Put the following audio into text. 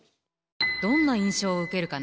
どんな印象を受けるかな？